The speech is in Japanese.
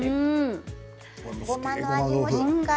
ごまの味もしっかり。